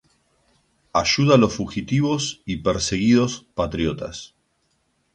Ayuda los fugitivos y perseguidos patriotas.